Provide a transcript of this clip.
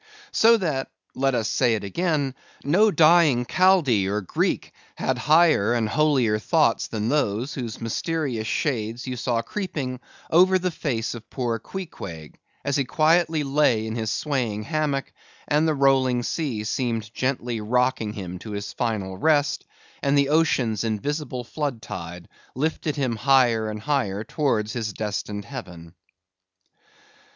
So that—let us say it again—no dying Chaldee or Greek had higher and holier thoughts than those, whose mysterious shades you saw creeping over the face of poor Queequeg, as he quietly lay in his swaying hammock, and the rolling sea seemed gently rocking him to his final rest, and the ocean's invisible flood tide lifted him higher and higher towards his destined heaven.